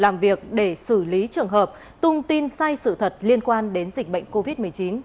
làm việc để xử lý trường hợp tung tin sai sự thật liên quan đến dịch bệnh covid một mươi chín